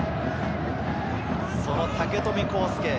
その武富孝介。